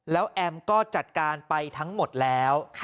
แล้วแอมก็จัดการไปทั้งหมดแล้ว